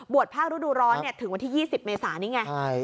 ภาคฤดูร้อนถึงวันที่๒๐เมษานี้ไง